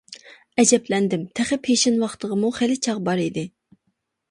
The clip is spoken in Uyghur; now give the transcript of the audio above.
ئەجەبلەندىم، تېخى پېشىن ۋاقتىغىمۇ خېلى چاغ بار ئىدى.